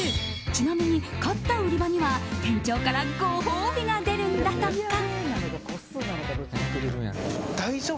ちなみに買った売り場には店長からご褒美が出るんだとか。